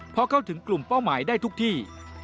เพราะเข้าถึงกลุ่มเป้าหมายได้ทุกที่